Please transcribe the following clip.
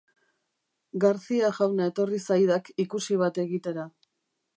Garcia jauna etorri zaidak ikusi bat egitera.